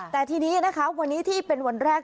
แต่ทีนี้นะคะวันนี้ที่เป็นวันแรก